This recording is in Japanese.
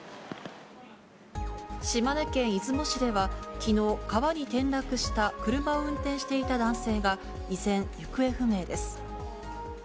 島根県出雲市では、きのう、川に転落した車を運転していた男性が依然、行方不明です。